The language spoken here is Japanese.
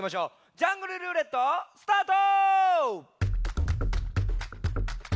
「ジャングルるーれっと」スタート！